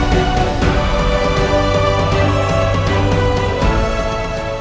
tidak ada yang lebih baik